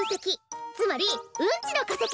つまりうんちのかせき！